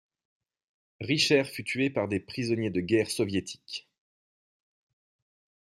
Richert fut tué par des prisonniers de guerre soviétiques.